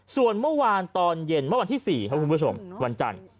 ส่วนเมื่อวานตอนเย็นเมื่อวันที่๔ครับคุณผู้ชมวันจันทร์